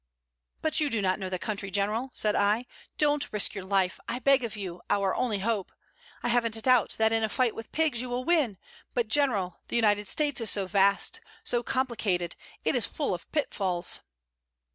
"But you do not know the country, General," said I. "Don't risk your life, I beg of you our only hope! I haven't a doubt that in a fight with pigs you will win; but, General, the United States is so vast, so complicated; it is full of pitfalls!"